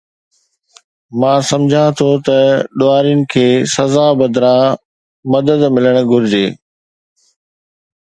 مان سمجهان ٿو ته ڏوهارين کي سزا بدران مدد ملڻ گهرجي